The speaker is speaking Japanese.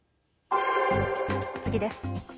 次です。